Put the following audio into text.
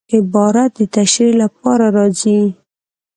عبارت د تشریح له پاره راځي.